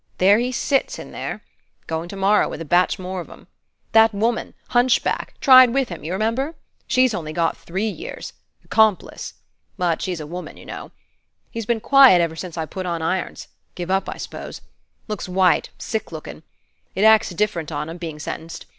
There he sits, in there. Goin' to morrow, with a batch more of 'em. That woman, hunchback, tried with him, you remember? she's only got three years. 'Complice. But she's a woman, you know. He's been quiet ever since I put on irons: giv' up, I suppose. Looks white, sick lookin'. It acts different on 'em, bein' sentenced.